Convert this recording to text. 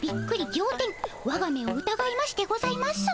わが目をうたがいましてございます。